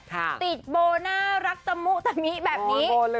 ติดโบน่ารักตะมุตะมิแบบนี้